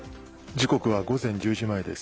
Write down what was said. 時刻は午前１０時前です。